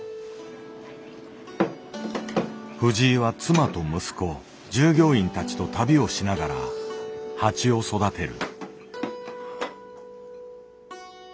藤井は妻と息子従業員たちと旅をしながら蜂を育てる。